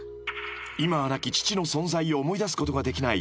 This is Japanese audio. ［今は亡き父の存在を思い出すことができない